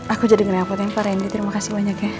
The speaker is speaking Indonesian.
aku jadi ngerepot ya pak rendy terima kasih banyak ya